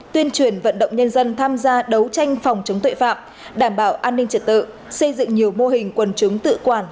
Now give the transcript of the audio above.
tuyên truyền vận động nhân dân tham gia đấu tranh phòng chống tội phạm đảm bảo an ninh trật tự xây dựng nhiều mô hình quần chúng tự quản